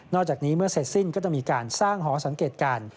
อกจากนี้เมื่อเสร็จสิ้นก็จะมีการสร้างหอสังเกตการณ์